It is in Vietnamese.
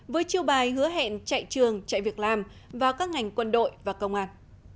với chiêu bài hứa hẹn chạy trường chạy việc làm vào các ngành quân đội và công an